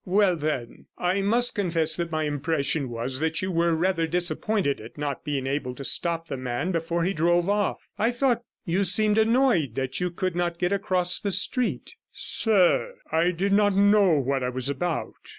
'Well, then, I must confess that my impression was that you were rather disappointed at not being able to stop the man before he drove off. I thought you seemed annoyed that you could not get across the street.' 'Sir, I did not know what I was about.